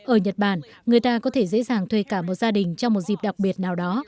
ở nhật bản người ta có thể dễ dàng thuê cả một gia đình trong một dịp đặc biệt nào đó